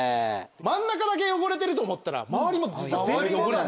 真ん中だけ汚れてると思ったら周りも実は全部汚れ。